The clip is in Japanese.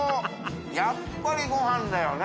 やっぱりご飯だよね。